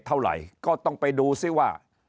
เท่าไหร่ก็ต้องไปดูซิว่า